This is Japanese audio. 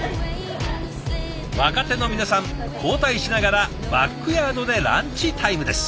若手の皆さん交代しながらバックヤードでランチタイムです。